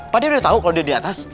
pak de udah tau kalo dia di atas